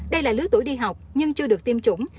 đây là lứa tuổi đi học nhưng chưa được tiêm chủng